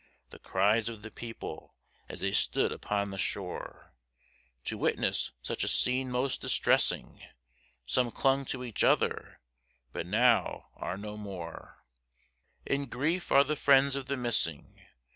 The cries of the people, as they stood upon the shore, To witness such a scene most distressing, Some clung to each other, but now are no more, In grief are the friends of the missing.